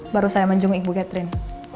baru saya mengunjungi ibu catherine